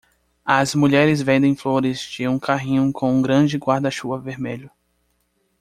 As mulheres vendem flores de um carrinho com um grande guarda-chuva vermelho.